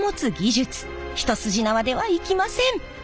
一筋縄ではいきません！